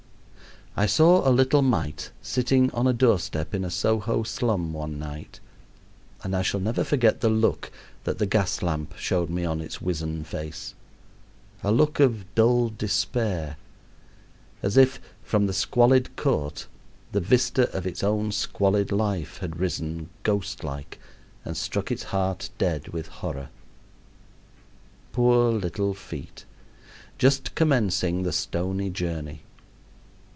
I saw a little mite sitting on a doorstep in a Soho slum one night, and I shall never forget the look that the gas lamp showed me on its wizen face a look of dull despair, as if from the squalid court the vista of its own squalid life had risen, ghostlike, and struck its heart dead with horror. Poor little feet, just commencing the stony journey!